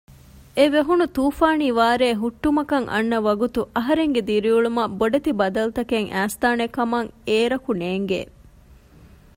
އެވެހުނު ތޫފާނީ ވާރޭ ހުއްޓުމަކަށް އަންނަ ވަގުތު އަހަރެންގެ ދިރިއުޅުމަށް ބޮޑެތި ބަދަލުތަކެއް އައިސްދާނެކަމެއް އޭރަކު ނޭނގެ